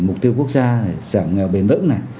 mục tiêu quốc gia sản nghèo bền vững này